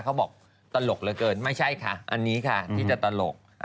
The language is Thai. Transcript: เขาบอกตลกเหลือเกินไม่ใช่ค่ะอันนี้ค่ะที่จะตลก